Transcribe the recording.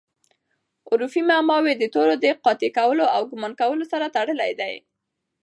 حروفي معماوي د تورو د قاطع کولو او ګومان کولو سره تړلي دي.